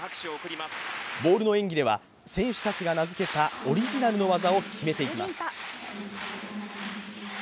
ボールの演技では、選手たちが名付けたオリジナルな技を決めていきます。